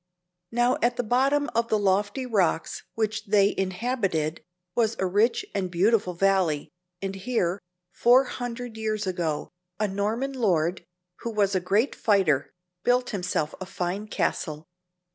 Now at the bottom of the lofty rocks which they inhabited was a rich and beautiful valley, and here, four hundred years ago, a Norman lord, who was a great fighter, built himself a fine castle.